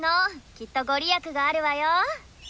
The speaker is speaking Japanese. きっと御利益があるわよ。